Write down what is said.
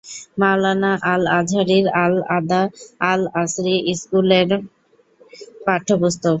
মওলানা আল-আযহারীর আল-আদা-আল-আসরী স্কুলের পাঠ্যপুস্তক।